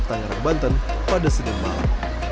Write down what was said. tangerang banten pada senin malam